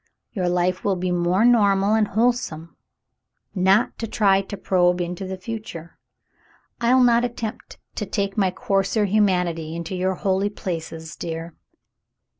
Your life will be more normal and wholesome not to try to probe into the future. I'll not attempt to take my coarser hu manity into your holy places, dear."